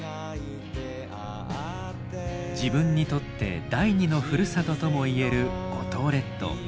自分にとって第２のふるさとともいえる五島列島。